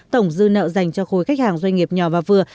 tổng dư nợ dành cho khối khách hàng doanh nghiệp nhỏ và vừa